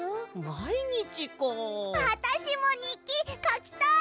あたしもにっきかきたい！